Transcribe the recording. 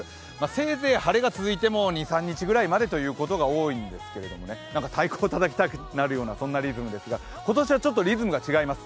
せいぜい晴れが続いても２３日までということが多いんですけどね、太鼓をたたきたくなるようなそんなリズムですが今年はちょっとリズムが違います。